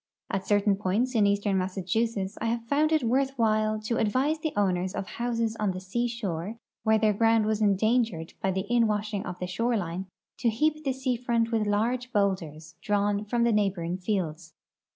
At certain points in eastern Massachusetts I have found it wortli while to advise tlie owners of houses on the sea shore where their ground was endangered I)}'' the inwashing of the shoreline to heap the sea front with large boulders drawn from the neiglil^oring fields.